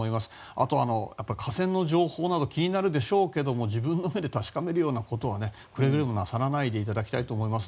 あと、河川の情報など気になるでしょうけれども自分の目で確かめることはくれぐれもなさらないでいただきたいと思います。